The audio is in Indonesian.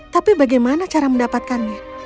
tapi bagaimana cara mendapatkannya